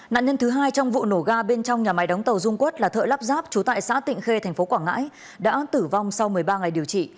nạn nhân thứ hai trong vụ nổ ga bên trong nhà máy đóng tàu dung quất là thợ lắp ráp trú tại xã tịnh khê tp quảng ngãi đã tử vong sau một mươi ba ngày điều trị